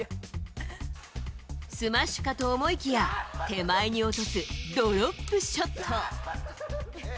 スマッシュかと思いきや、手前に落とすドロップショット。